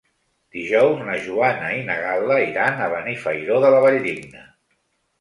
Dijous na Joana i na Gal·la iran a Benifairó de la Valldigna.